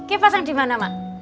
ini pasang dimana mak